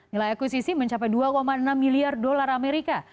nilai akuisisi mencapai dua enam miliar dolar amerika